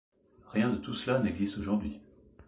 Rien de tout cela n’existe aujourd’hui.